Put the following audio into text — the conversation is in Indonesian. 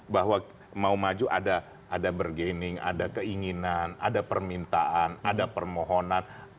bahwa mau maju ada bergening ada keinginan ada permintaan ada permohonan